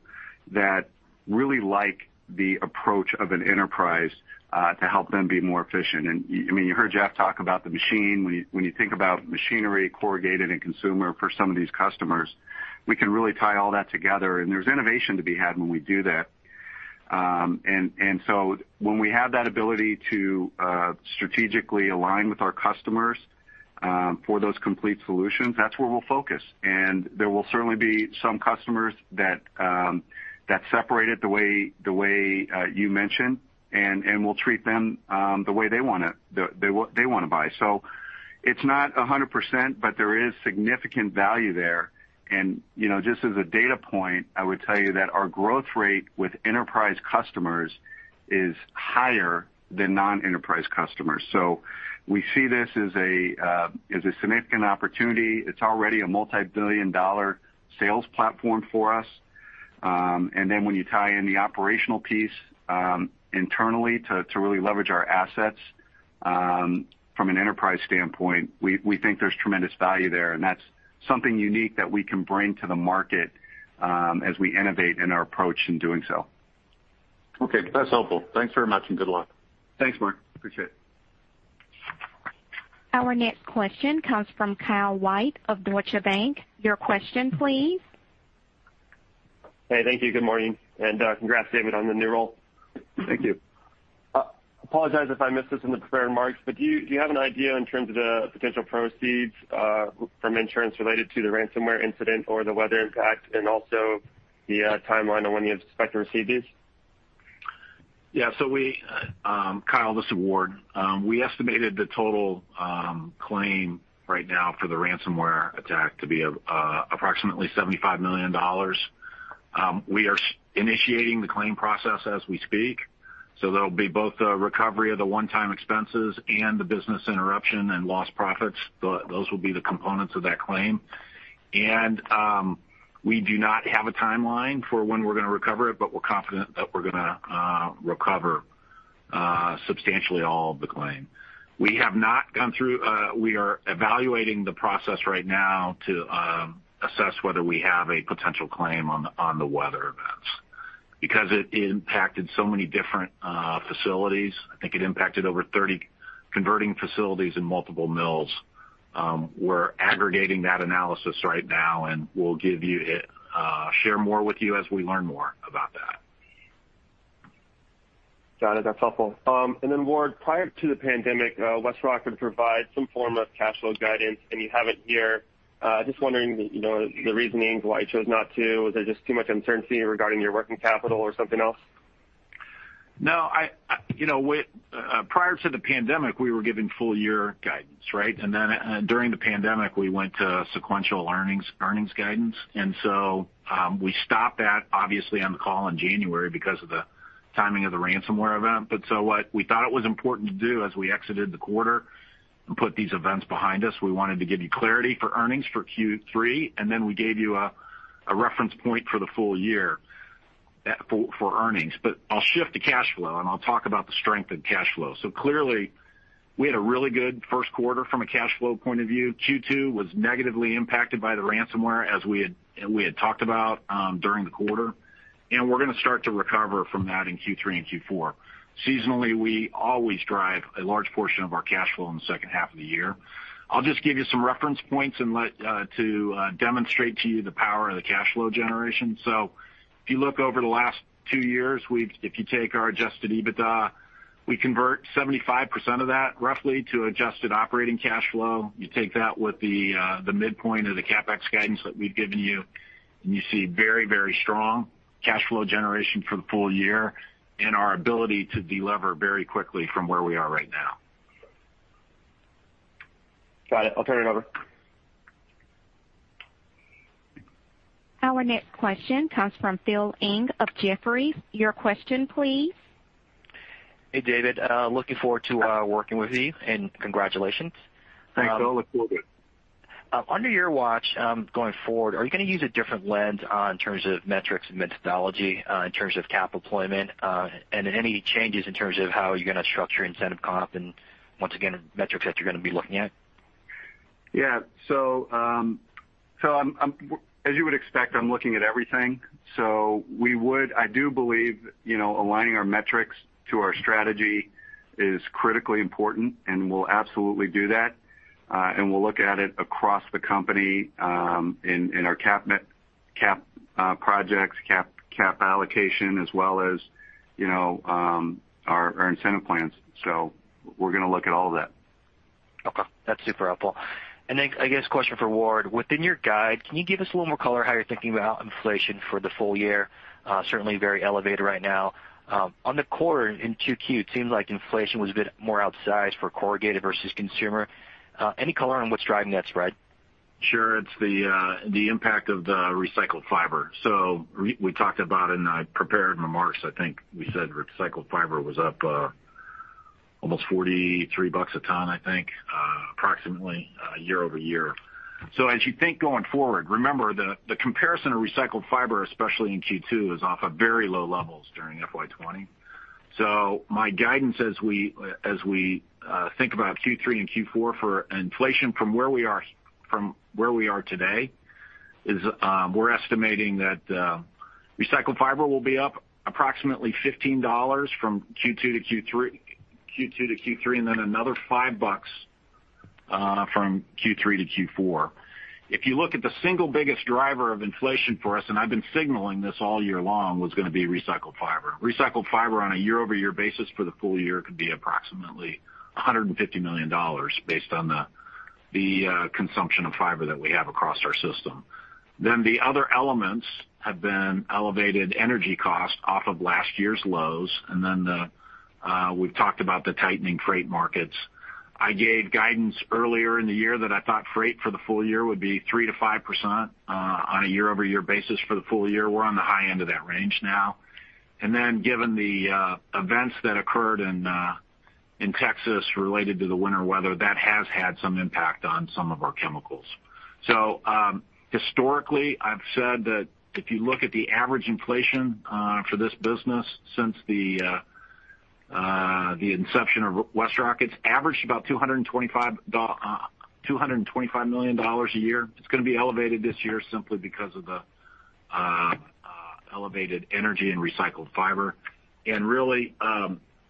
that really like the approach of an enterprise to help them be more efficient. You heard Jeff talk about the machine. When you think about machinery, corrugated, and consumer for some of these customers, we can really tie all that together. There's innovation to be had when we do that. When we have that ability to strategically align with our customers for those complete solutions, that's where we'll focus. There will certainly be some customers that separate it the way you mentioned, and we'll treat them the way they want to buy. It's not 100%, but there is significant value there. Just as a data point, I would tell you that our growth rate with enterprise customers is higher than non-enterprise customers. We see this as a significant opportunity. It's already a multi-billion dollar sales platform for us. When you tie in the operational piece internally to really leverage our assets from an enterprise standpoint, we think there's tremendous value there, and that's something unique that we can bring to the market as we innovate in our approach in doing so. Okay. That's helpful. Thanks very much, and good luck. Thanks, Mark. Appreciate it. Our next question comes from Kyle White of Deutsche Bank. Your question, please. Hey, thank you. Good morning, and congrats, David, on the new role. Thank you. Apologize if I missed this in the prepared remarks, but do you have an idea in terms of the potential proceeds from insurance related to the ransomware incident or the weather impact, and also the timeline on when you expect to receive these? Yeah. Kyle, this is Ward. We estimated the total claim right now for the ransomware attack to be approximately $75 million. We are initiating the claim process as we speak, there'll be both a recovery of the one-time expenses and the business interruption and lost profits. Those will be the components of that claim. We do not have a timeline for when we're going to recover it, we're confident that we're going to recover substantially all of the claim. We are evaluating the process right now to assess whether we have a potential claim on the weather events. It impacted so many different facilities, I think it impacted over 30 converting facilities in multiple mills. We're aggregating that analysis right now, we'll share more with you as we learn more about that. Got it. That's helpful. Ward, prior to the pandemic, WestRock would provide some form of cash flow guidance, and you have it here. Just wondering the reasonings why you chose not to. Was there just too much uncertainty regarding your working capital or something else? No. Prior to the pandemic, we were giving full-year guidance, right? During the pandemic, we went to sequential earnings guidance. We stopped that, obviously, on the call in January because of the timing of the ransomware event. What we thought it was important to do as we exited the quarter and put these events behind us, we wanted to give you clarity for earnings for Q3, and then we gave you a reference point for the full year for earnings. I'll shift to cash flow, and I'll talk about the strength of cash flow. Clearly, we had a really good first quarter from a cash flow point of view. Q2 was negatively impacted by the ransomware, as we had talked about during the quarter. We're going to start to recover from that in Q3 and Q4. Seasonally, we always drive a large portion of our cash flow in the second half of the year. I'll just give you some reference points to demonstrate to you the power of the cash flow generation. If you look over the last two years, if you take our Adjusted EBITDA, we convert 75% of that roughly to adjusted operating cash flow. You take that with the midpoint of the CapEx guidance that we've given you, and you see very strong cash flow generation for the full year and our ability to delever very quickly from where we are right now. Got it. I'll turn it over. Our next question comes from Phil Ng of Jefferies. Your question, please. Hey, David. Looking forward to working with you and congratulations. Thanks, Phil. Look forward to it. Under your watch going forward, are you going to use a different lens in terms of metrics and methodology in terms of capital deployment? Any changes in terms of how you're going to structure incentive comp and once again, metrics that you're going to be looking at? Yeah. As you would expect, I'm looking at everything. I do believe aligning our metrics to our strategy is critically important, and we'll absolutely do that. We'll look at it across the company in our CapEx projects, CapEx allocation, as well as our incentive plans. We're going to look at all of that. Okay. That's super helpful. Then I guess question for Ward. Within your guide, can you give us a little more color how you're thinking about inflation for the full year? Certainly very elevated right now. On the quarter in 2Q, it seems like inflation was a bit more outsized for corrugated versus consumer. Any color on what's driving that spread? Sure. It's the impact of the recycled fiber. We talked about it in our prepared remarks. I think we said recycled fiber was up almost $43 a ton, I think approximately year-over-year. As you think going forward, remember the comparison of recycled fiber, especially in Q2, is off of very low levels during FY 2020. My guidance as we think about Q3 and Q4 for inflation from where we are today is we're estimating that recycled fiber will be up approximately $15 from Q2-Q3, and then another $5 from Q3-Q4. If you look at the single biggest driver of inflation for us, and I've been signaling this all year long, was going to be recycled fiber. Recycled fiber on a year-over-year basis for the full year could be approximately $150 million based on the consumption of fiber that we have across our system. The other elements have been elevated energy costs off of last year's lows, we've talked about the tightening freight markets. I gave guidance earlier in the year that I thought freight for the full year would be 3%-5% on a year-over-year basis for the full year. Given the events that occurred in Texas related to the winter weather, that has had some impact on some of our chemicals. Historically, I've said that if you look at the average inflation for this business since the inception of WestRock, it's averaged about $225 million a year. It's going to be elevated this year simply because of the elevated energy and recycled fiber. Really,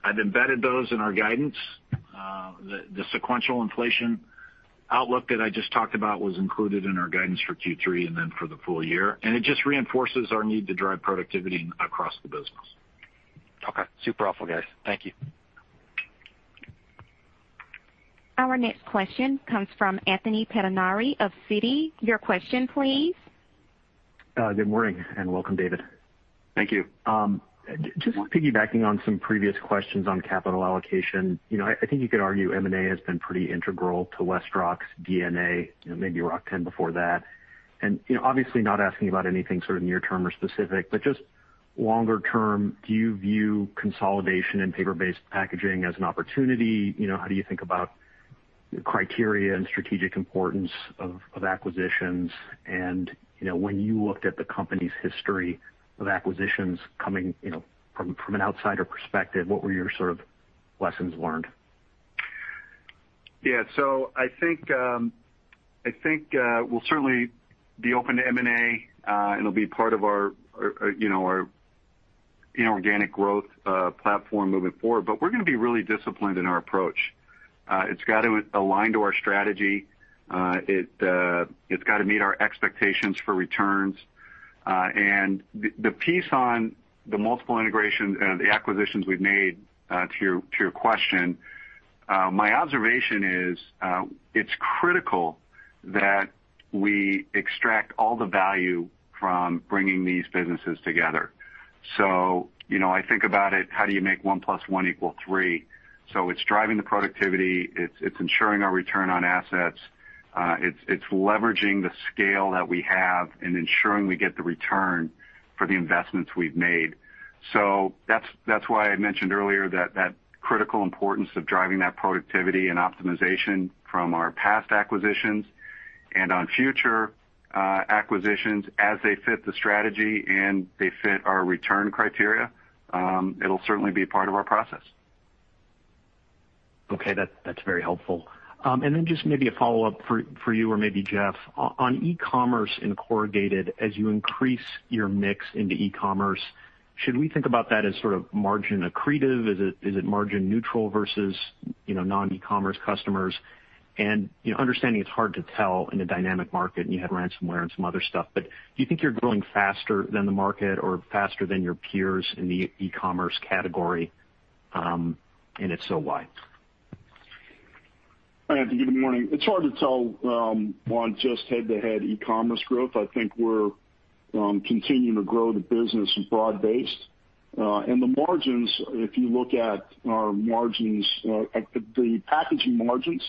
I've embedded those in our guidance. The sequential inflation outlook that I just talked about was included in our guidance for Q3 and then for the full year, and it just reinforces our need to drive productivity across the business. Okay. Super helpful, guys. Thank you. Our next question comes from Anthony Pettinari of Citi. Your question, please. Good morning, and welcome, David. Thank you. Just piggybacking on some previous questions on capital allocation. I think you could argue M&A has been pretty integral to WestRock's DNA, maybe RockTenn before that. Obviously not asking about anything sort of near term or specific, but just longer term, do you view consolidation in paper-based packaging as an opportunity? How do you think about the criteria and strategic importance of acquisitions? When you looked at the company's history of acquisitions coming from an outsider perspective, what were your sort of lessons learned? Yeah. I think we'll certainly be open to M&A, and it'll be part of our inorganic growth platform moving forward. We're going to be really disciplined in our approach. It's got to align to our strategy. It's got to meet our expectations for returns. The piece on the multiple integrations and the acquisitions we've made, to your question, my observation is it's critical that we extract all the value from bringing these businesses together. I think about it, how do you make one plus one equal three? It's driving the productivity. It's ensuring our return on assets. It's leveraging the scale that we have and ensuring we get the return for the investments we've made. That's why I mentioned earlier that critical importance of driving that productivity and optimization from our past acquisitions, and on future acquisitions as they fit the strategy and they fit our return criteria. It'll certainly be part of our process. Okay. That's very helpful. Just maybe a follow-up for you or maybe Jeff. On e-commerce and corrugated, as you increase your mix into e-commerce, should we think about that as sort of margin accretive? Is it margin neutral versus non-e-commerce customers? Understanding it's hard to tell in a dynamic market, and you had ransomware and some other stuff, do you think you're growing faster than the market or faster than your peers in the e-commerce category? If so, why? Anthony, good morning. It's hard to tell on just head-to-head e-commerce growth. I think we're continuing to grow the business broad-based. The margins, if you look at our margins, the packaging margins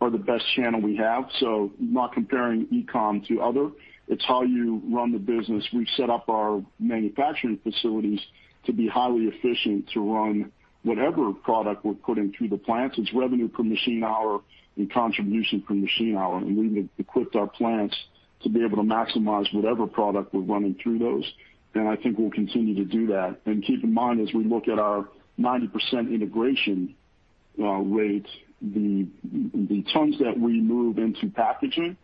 are the best channel we have. Not comparing e-com to other. It's how you run the business. We've set up our manufacturing facilities to be highly efficient to run whatever product we're putting through the plants. It's revenue per machine hour and contribution per machine hour, and we've equipped our plants to be able to maximize whatever product we're running through those. I think we'll continue to do that. Keep in mind, as we look at our 90% integration rate, the tons that we move into packaging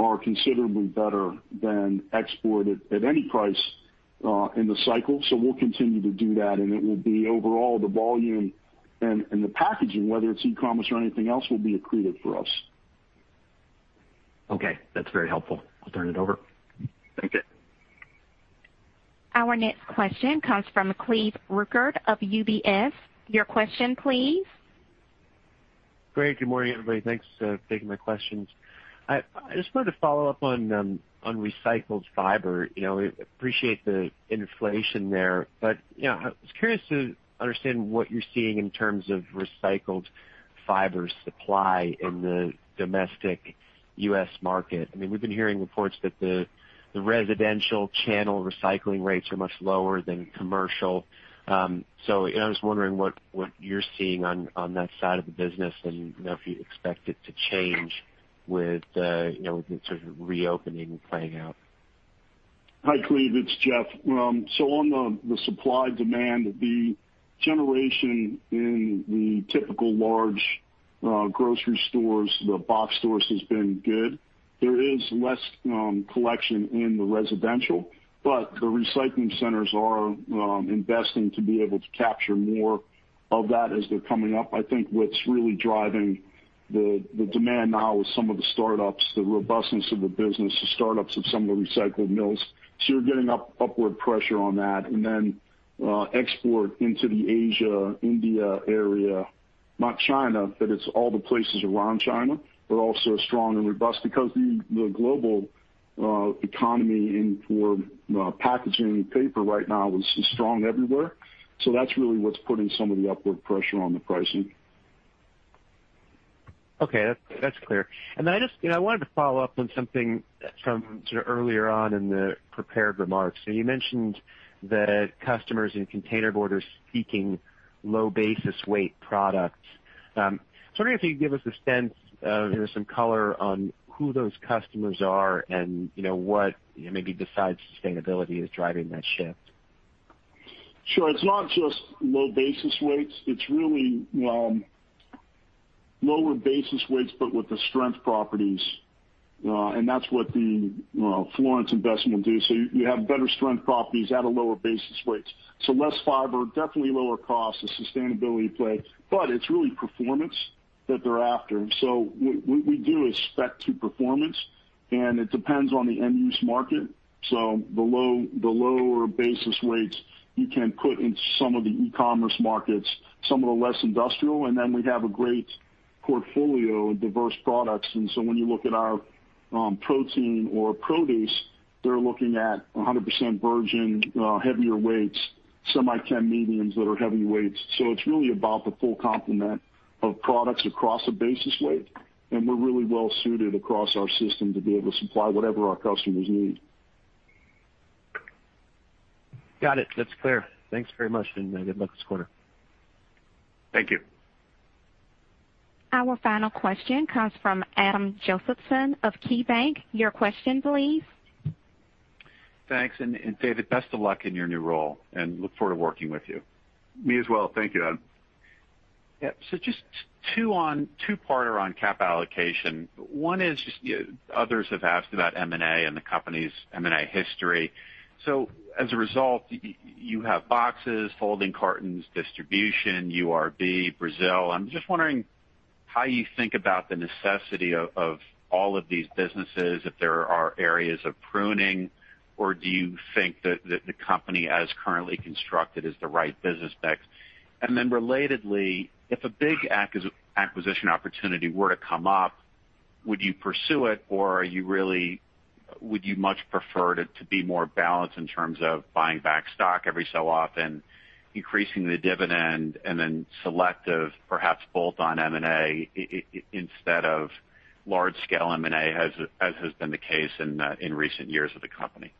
are considerably better than export at any price in the cycle. We'll continue to do that, and it will be overall the volume and the packaging, whether it's e-commerce or anything else, will be accretive for us. Okay. That's very helpful. I'll turn it over. Thank you. Our next question comes from Cleve Rueckert of UBS. Your question, please. Great. Good morning, everybody. Thanks for taking my questions. I just wanted to follow up on recycled fiber. Appreciate the inflation there. I was curious to understand what you're seeing in terms of recycled fiber supply in the domestic U.S. market. We've been hearing reports that the residential channel recycling rates are much lower than commercial. I was wondering what you're seeing on that side of the business, and if you expect it to change with the sort of reopening playing out. Hi, Cleve, it's Jeff. On the supply-demand, the generation in the typical large grocery stores, the box stores, has been good. There is less collection in the residential, but the recycling centers are investing to be able to capture more. Of that as they're coming up. I think what's really driving the demand now is some of the startups, the robustness of the business, the startups of some of the recycled mills. You're getting upward pressure on that. Export into the Asia, India area, not China, but it's all the places around China, but also strong and robust because the global economy for packaging and paper right now is strong everywhere. That's really what's putting some of the upward pressure on the pricing. Okay. That's clear. I wanted to follow up on something from earlier on in the prepared remarks. You mentioned the customers in containerboard are seeking low basis weight products. I was wondering if you could give us a sense of some color on who those customers are and what, maybe besides sustainability, is driving that shift. Sure. It's not just low basis weights. It's really lower basis weights, but with the strength properties, and that's what the Florence investment will do. You have better strength properties at a lower basis weights. Less fiber, definitely lower cost, a sustainability play, but it's really performance that they're after. We do a spec-to-performance, and it depends on the end-use market. The lower basis weights you can put in some of the e-commerce markets, some of the less industrial. We have a great portfolio of diverse products. When you look at our protein or produce, they're looking at 100% virgin heavier weights, semi-chem mediums that are heavy weights. It's really about the full complement of products across a basis weight, and we're really well-suited across our system to be able to supply whatever our customers need. Got it. That's clear. Thanks very much, and good luck this quarter. Thank you. Our final question comes from Adam Josephson of KeyBanc. Your question, please. Thanks. David, best of luck in your new role, and look forward to working with you. Me as well. Thank you, Adam. Just two-parter on cap allocation. One is just others have asked about M&A and the company's M&A history. As a result, you have boxes, folding cartons, distribution, URB, Brazil. I'm just wondering how you think about the necessity of all of these businesses, if there are areas of pruning, or do you think that the company as currently constructed is the right business mix? Then relatedly, if a big acquisition opportunity were to come up, would you pursue it, or would you much prefer it to be more balanced in terms of buying back stock every so often, increasing the dividend, and then selective, perhaps bolt-on M&A instead of large-scale M&A, as has been the case in recent years of the company?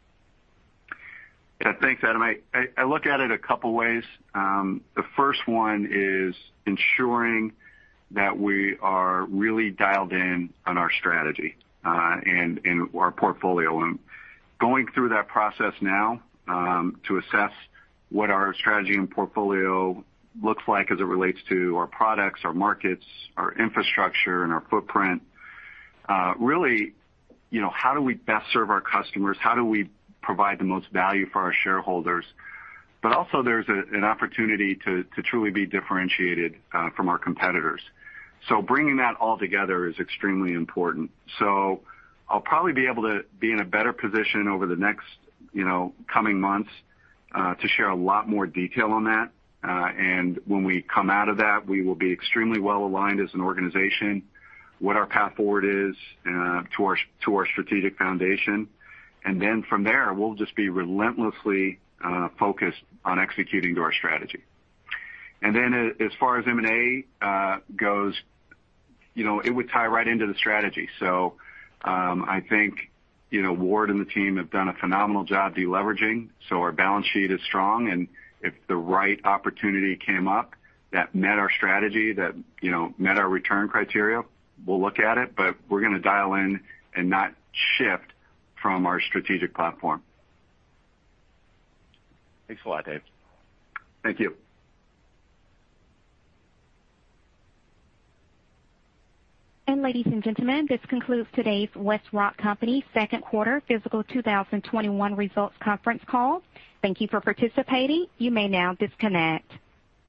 Yeah. Thanks, Adam. I look at it a couple ways. The first one is ensuring that we are really dialed in on our strategy and our portfolio. Going through that process now to assess what our strategy and portfolio looks like as it relates to our products, our markets, our infrastructure, and our footprint. Really, how do we best serve our customers? How do we provide the most value for our shareholders? Also, there's an opportunity to truly be differentiated from our competitors. Bringing that all together is extremely important. I'll probably be able to be in a better position over the next coming months to share a lot more detail on that. When we come out of that, we will be extremely well-aligned as an organization, what our path forward is to our strategic foundation. From there, we'll just be relentlessly focused on executing to our strategy. As far as M&A goes, it would tie right into the strategy. I think Ward and the team have done a phenomenal job de-leveraging. Our balance sheet is strong, and if the right opportunity came up that met our strategy, that met our return criteria, we'll look at it, but we're going to dial in and not shift from our strategic platform. Thanks a lot, Dave. Thank you. Ladies and gentlemen, this concludes today's WestRock Company second quarter fiscal 2021 results conference call. Thank you for participating. You may now disconnect.